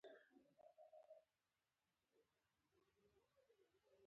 دوی په یوه غار کې له سپي سره پټ شول.